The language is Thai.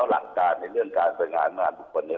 อาการในเรื่องการส่วยงานบุคคลเนี่ย